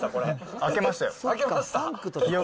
開けました？